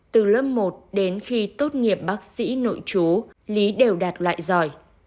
từ lớp một đến khi tốt nghiệp bác sĩ nội chú lý đều đạt loại giỏi